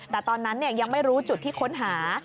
แต่ตอนนั้นยังไม่รู้จุดที่ค้นหา